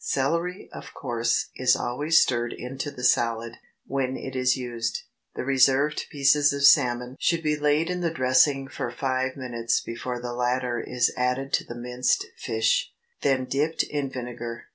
Celery, of course, is always stirred into the salad, when it is used. The reserved pieces of salmon should be laid in the dressing for five minutes before the latter is added to the minced fish, then dipped in vinegar.